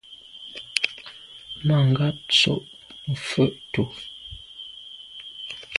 Mà ngab tsho’ mfe tù.